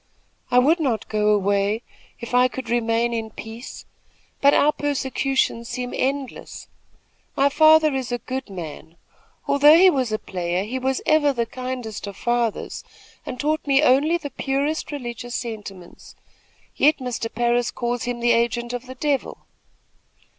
I would not go away, if I could remain in peace; but our persecutions seem endless. My father is a good man. Although he was a player, he was ever the kindest of fathers, and taught me only the purest religious sentiments, yet Mr. Parris calls him the agent of the devil."